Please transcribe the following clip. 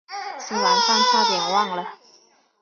吃完饭后差点忘了